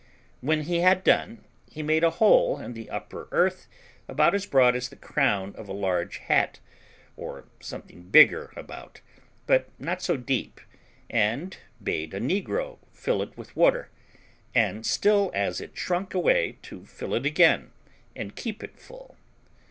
When he had done, he made a hole in the upper earth about as broad as the crown of a large hat, or something bigger about, but not so deep, and bade a negro fill it with water, and still as it shrunk away to fill it again, and keep it full.